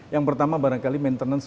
yang pertama barangkali maintenance